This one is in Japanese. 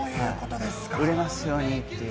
売れますようにっていう。